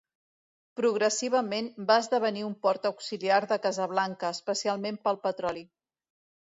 Progressivament va esdevenir un port auxiliar de Casablanca, especialment pel petroli.